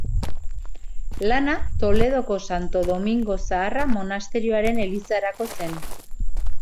Lana Toledoko Santo Domingo Zaharra monasterioaren elizarako zen.